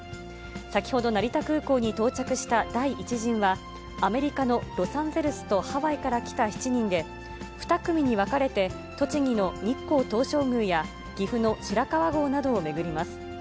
先ほど、成田空港に到着した第１陣は、アメリカのロサンゼルスとハワイから来た７人で、２組に分かれて、栃木の日光東照宮や岐阜の白川郷などを巡ります。